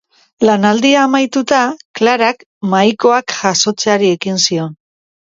Lanaldia amaituta, Klarak mahaikoak jasotzeari ekin zion.